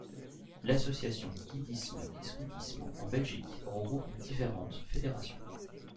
L'association Guidisme et scoutisme en Belgique regroupe différentes fédérations.